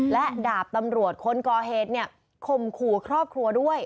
และดาบตำรวจคนก่อเหตุเนี่ยข่มขู่ครอบครัวด้วย